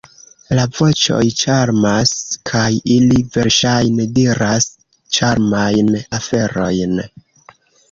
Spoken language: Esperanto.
La voĉoj ĉarmas, kaj ili verŝajne diras ĉarmajn aferojn.